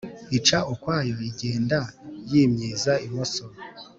ica ukwayo igenda yimyiza imoso